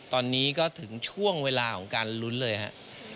ตอนนี้ก็ถึงช่วงเวลาของการลุ้นเลยครับ